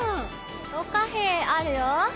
お菓子あるよ。